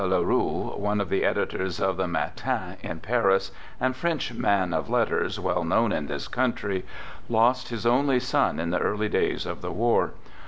ROBERT LE ROUX Hugues Le Roux, one of the editors of the Matin in Paris, and French man of letters well known in this country, lost his only son in the early days of the war.